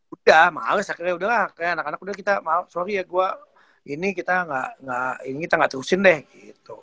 udah males akhirnya udahlah kayak anak anak udah kita maaf sorry ya gue ini kita nggak terusin deh gitu